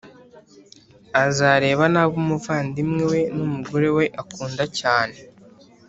azareba nabi umuvandimwe we n’umugore we akunda cyane